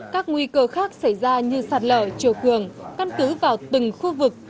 các nguy cơ khác xảy ra như sạt lở chiều cường căn cứ vào từng khu vực